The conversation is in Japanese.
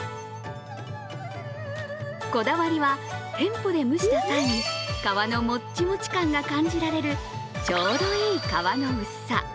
こだわりは、店舗で蒸した際に、皮のもっちもち感が感じられるちょうどいい皮の薄さ。